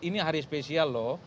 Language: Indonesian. ini hari spesial loh